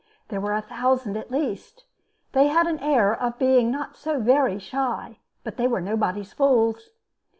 There were a thousand, at least. They had an air of being not so very shy, but they were nobody's fools.